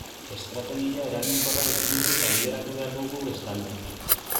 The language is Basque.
Estrategia eraginkorra definitu eta bideratu behar dugu bestalde.